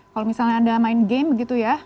kalau misalnya anda main game begitu ya